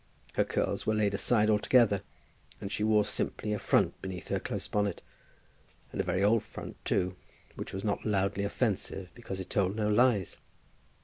Her curls were laid aside altogether, and she wore simply a front beneath her close bonnet, and a very old front, too, which was not loudly offensive because it told no lies.